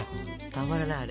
たまらないあれ。